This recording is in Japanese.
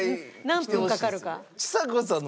何分かかるか。